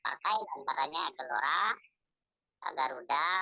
antara ekelora garuda pkn